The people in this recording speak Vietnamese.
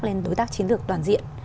lên đối tác chiến lược toàn diện